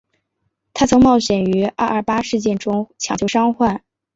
她曾冒险于二二八事件中抢救伤患。